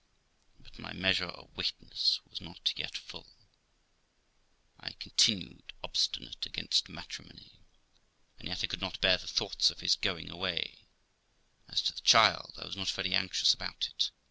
But my measure of wickedness was not yet full. I continued obstinate against matrimony, and yet I could not bear the thoughts of his going away neither. As to the child, I was not very anxious about it.